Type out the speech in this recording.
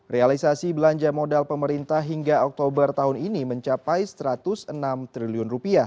realisasi belanja modal pemerintah hingga oktober tahun ini mencapai rp satu ratus enam triliun